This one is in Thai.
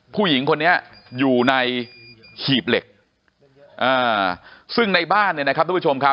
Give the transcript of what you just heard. ผู้หญิงคนนี้อยู่ในหีบเหล็กซึ่งในบ้านเนี่ยนะครับทุกผู้ชมครับ